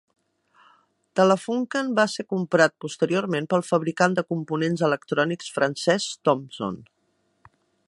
Telefunken va ser comprat posteriorment pel fabricant de components electrònics francès Thomson.